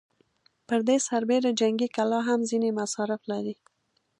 پر دې سربېره جنګي کلا هم ځينې مصارف لري.